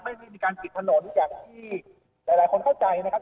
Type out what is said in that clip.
ไม่ได้มีการปิดถนนอย่างที่หลายคนเข้าใจนะครับ